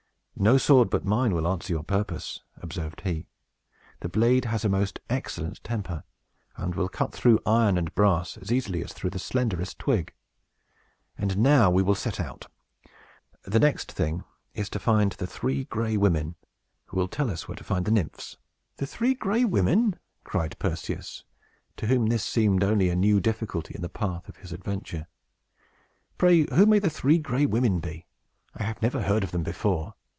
"No sword but mine will answer your purpose," observed he; "the blade has a most excellent temper, and will cut through iron and brass as easily as through the slenderest twig. And now we will set out. The next thing is to find the Three Gray Women, who will tell us where to find the Nymphs." "The Three Gray Women!" cried Perseus, to whom this seemed only a new difficulty in the path of his adventure; "pray who may the Three Gray Women be? I never heard of them before."